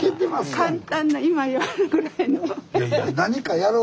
簡単な今やるぐらいの。